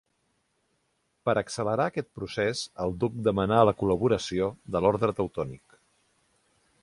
Per accelerar aquest procés el duc demanà la col·laboració de l'Orde Teutònic.